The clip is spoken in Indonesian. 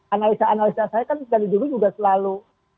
analisa analisa saya kan dari dulu juga selalu